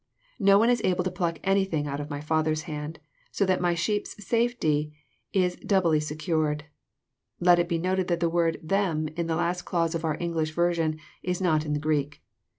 No one is able to pluck anything out of my Father's hand, so that my sheep^s safety is donbly secured." Let it be noted that the word " them," in the last clause of our English version, is not in the Greek.